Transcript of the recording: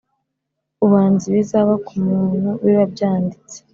ubanza ibizaba kumuntu biba byanditse